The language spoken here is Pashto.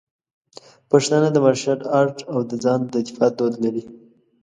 پښتانه د مارشل آرټ او د ځان د دفاع دود لري.